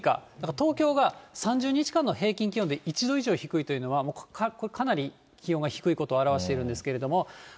東京が３０日間の平均気温で１度以上低いというのはこれ、かなり気温が低いことを表しているんですけれども。